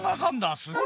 すごい！